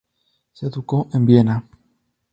Se educó en Viena.